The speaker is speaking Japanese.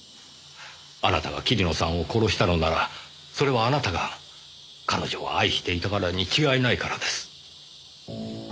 あなたが桐野さんを殺したのならそれはあなたが彼女を愛していたからに違いないからです。